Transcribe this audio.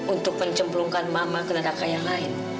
untuk mencemplungkan mama ke neraka yang lain